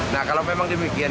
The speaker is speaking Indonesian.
nah kalau memang demikian